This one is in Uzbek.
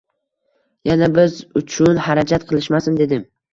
Yana biz uchun harajat qilishmasin dedim